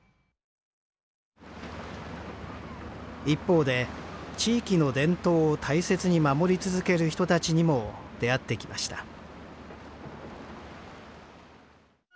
一方で地域の伝統を大切に守り続ける人たちにも出会ってきました